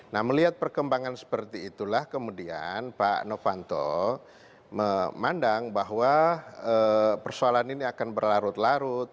nah melihat perkembangan seperti itulah kemudian pak novanto memandang bahwa persoalan ini akan berlarut larut